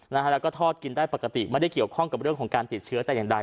แล้วก็ทอดกินได้ปกติไม่ได้เกี่ยวข้องกับเรื่องของการติดเชื้อแต่อย่างใด